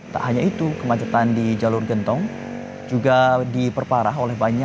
tak hanya itu kemacetan di jalur gentong juga diperparah oleh banyaknya